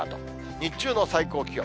日中の最高気温。